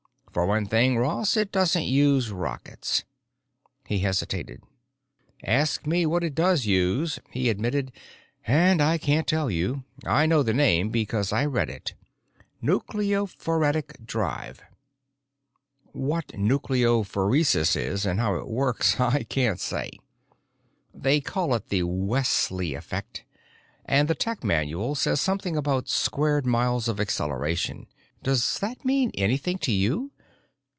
For one thing, Ross, it doesn't use rockets." He hesitated. "Ask me what it does use," he admitted, "and I can't tell you. I know the name, because I read it: nucleophoretic drive. What nucleophoresis is and how it works, I can't say. They call it the Wesley Effect, and the tech manual says something about squared miles of acceleration. Does that mean anything to you?